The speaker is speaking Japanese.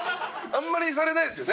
あんまりされないですよね。